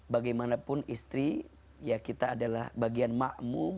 bagaimanapun istri ya kita adalah bagian makmum